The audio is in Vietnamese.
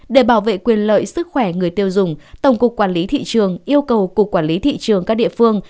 để bảo vệ quyền lợi sức khỏe người tiêu dùng tổng cục quản lý thị trường yêu cầu cục quản lý thị trường các địa phương